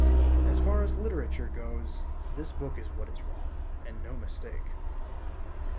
As far as literature goes, this book is what is wrong and no mistake.